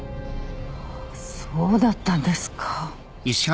ああそうだったんですか。